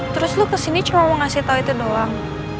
terus lu kesini cuma mau ngasih tau itu doang